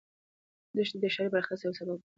دښتې د ښاري پراختیا یو سبب دی.